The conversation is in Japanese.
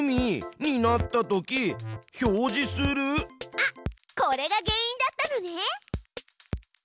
あっこれが原因だったのね！